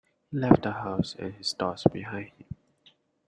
He left the house and his thoughts behind him.